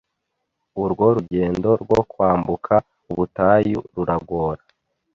urwo rugendo ryo kwambuka ubutayu ruragora